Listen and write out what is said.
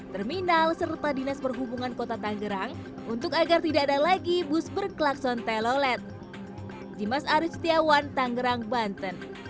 terminal serta dinas perhubungan kota tanggerang untuk agar tidak ada lagi bus berklakson telolet